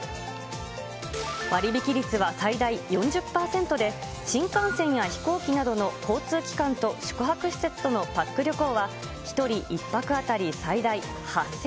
割引率は最大４０％で、新幹線や飛行機などの交通機関と宿泊施設とのパック旅行は、１人１泊当たり最大８０００円。